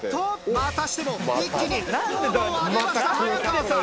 またしても一気に高度を上げました早川さん。